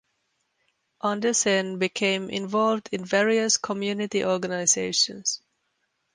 Andersen became involved in various community organisations.